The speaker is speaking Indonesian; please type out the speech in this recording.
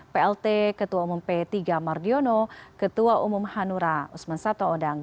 plt ketua umum p tiga mardiono ketua umum hanura usman satoodang